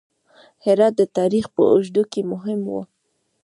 هرات د تاریخ په اوږدو کې مهم و